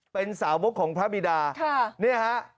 เป็นสาวบุคคล์ไม่รู้ครับ